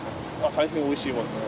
大変おいしいものです。